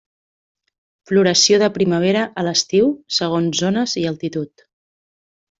Floració de primavera a l'estiu segons zones i altitud.